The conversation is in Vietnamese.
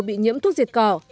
bị nhiễm thuốc diệt cỏ